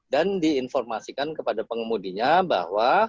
dan diinformasikan kepada pengemudinya bahwa